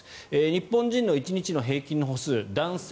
日本人の１日の平均の歩数男性